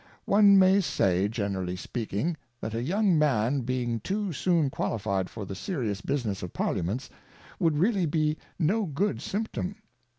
One may say, generally speaking. That a young Man being too soon qualifi'd for the serious Business of Parliaments, would really be no good Symptom.